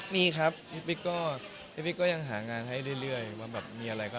มีครับพี่ก็ตอนนี้ก็ยังห่างงานให้เรื่อย